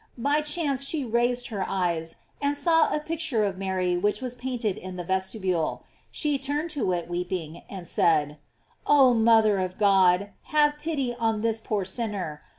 By chance she raised her eyes, and saw a picture of Mary which was paint ed in the vestibule. She turned to it, weeping, and said: "Oh mother of God, have pity on this poor sinner!